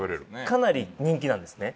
かなり人気なんですね。